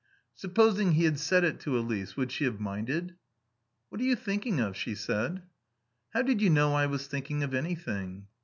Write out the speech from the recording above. Supposing he had said it to Elise? Would she have minded? "What are you thinking of?" she said. "How did you know I was thinking of anything?"